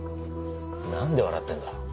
何で笑ってんだ？